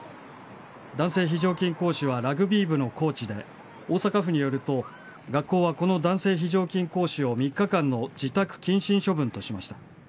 男性非常勤講師はラグビー部のコーチで大阪府によると学校は、この男性非常勤講師を３日間の自宅謹慎処分としました。